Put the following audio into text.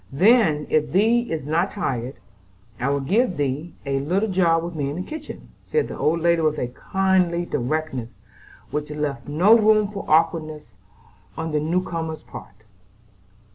Then, if thee is not tired, I will give thee a little job with me in the kitchen," said the old lady with a kindly directness which left no room for awkwardness on the new comer's part.